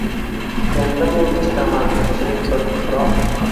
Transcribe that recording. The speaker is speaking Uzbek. Endi mum ichraman, chirik bir tuproq”.